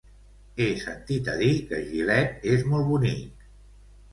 He sentit a dir que Gilet és molt bonic.